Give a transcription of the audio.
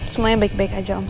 semuanya baik baik aja om